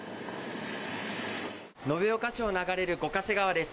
延岡市を流れる五ヶ瀬川です。